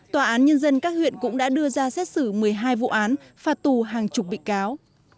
tòa án nhân dân các huyện cũng đã đưa ra xét xử một mươi hai vụ án phạt tù hàng chục bị cáo